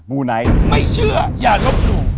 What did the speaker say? ูไนท์ไม่เชื่ออย่าลบหลู่